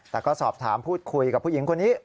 แต่ก็สอบถามพูดคุยกับผู้หญิงคนนี้